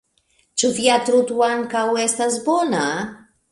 Ĉu via truto ankaŭ estas bona?